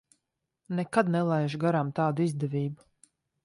Nekad nelaižu garām tādu izdevību.